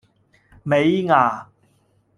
尾禡